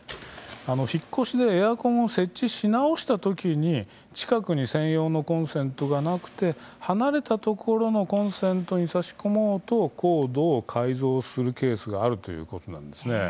引っ越しでエアコンを設置し直した時に近くに専用のコンセントがなくて離れたところのコンセントに差し込もうとコードを改造するケースがあるということです。